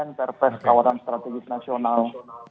proses ekorita ikn proses kawasan strategis nasional